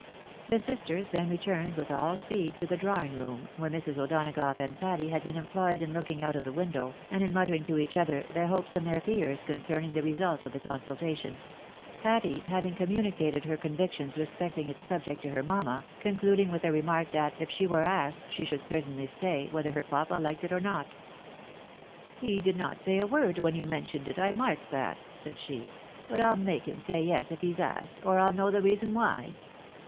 The sisters then returned with all speed to the drawing room, where Mrs. O'Donagough and Patty had been employed in looking out of the window and in muttering to each other their hopes and their fears concerning the result of the consultation ; Patty having communicated her convictions respecting ite subject to her mamma, concluding with a re mark, that, if she were asked, she should certainly stay, wheth* her papa Uked it or not. " He did not say a word when you mentioned it, I marked that," said she ;" but PU make him say yes, if he's asked, or I'll know the reason why."